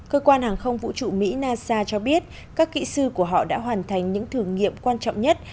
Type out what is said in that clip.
cơ quan hàng không vũ trụ mỹ nasa cho biết các kỹ sư của họ đã hoàn thành những thử nghiệm quan trọng nhất